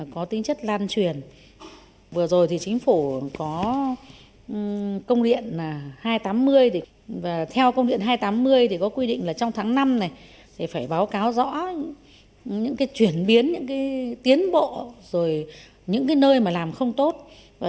công tác cải cách hành chính và kể cương thì chưa hiệu quả như tôi vừa nói